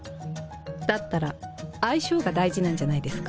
だったら相性が大事なんじゃないですか？